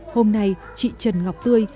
hôm nay chị trần ngọc tươi